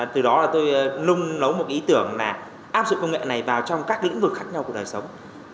từ đó là tôi nung nấu một ý tưởng là áp dụng công nghệ này vào trong các lĩnh vực khác nhau của đời sống